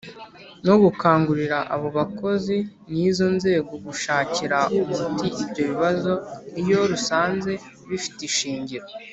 no gukangurira abo bakozi n’izo nzego gushakira umuti ibyo bibazo iyo rusanze bifite ishingiro